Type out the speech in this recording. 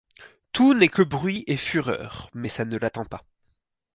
Tout n'est que bruit et fureur, mais ça ne l'atteint pas.